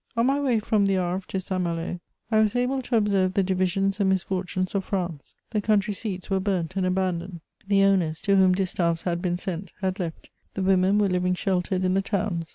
On my way from the Havre to Saint Malo I was able to observe the divisions and misfortunes of France: the country seats were burnt and abandoned; the owners, to whom distaffs had been sent, had left; the women were living sheltered in the towns.